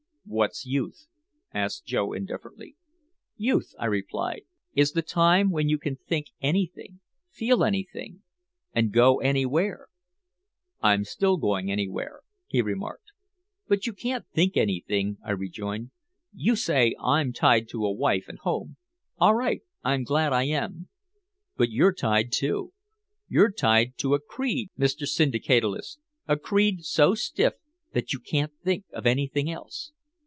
"What's youth?" asked Joe indifferently. "Youth," I replied, "is the time when you can think anything, feel anything and go anywhere." "I'm still going anywhere," he remarked. "But you can't think anything," I rejoined. "You say I'm tied to a wife and home. All right, I'm glad I am. But you're tied, too. You're tied to a creed, Mister Syndicalist a creed so stiff that you can't think of anything else."